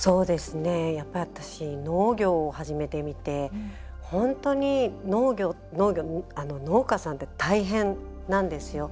やっぱり、私農業を始めてみて本当に農家さんって大変なんですよ。